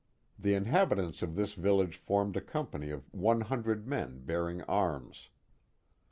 The inhabitants of this village formed a company of one hun dred men bearing arms.